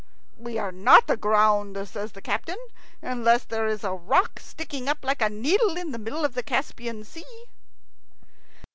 "We are not aground," says the captain, "unless there is a rock sticking up like a needle in the middle of the Caspian Sea!"